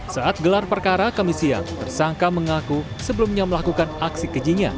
saat gelar perkara kami siang tersangka mengaku sebelumnya melakukan aksi kejinya